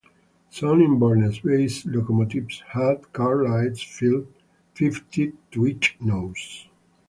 Some Inverness-based locomotives had 'car lights' fitted to each nose.